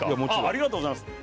ありがとうございます。